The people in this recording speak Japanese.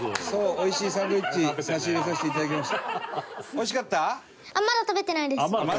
おいしいサンドウィッチ差し入れさせていただきました。